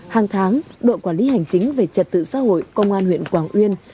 hàng tháng đội quản lý hành chính về trật tự xã hội công an huyện quảng uyên